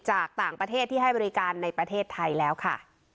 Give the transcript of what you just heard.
จากต่างประเทศที่ให้บริการในประเทศไทยแล้วค่ะ